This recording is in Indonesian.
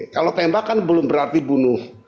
kalau tembak kan belum berarti bunuh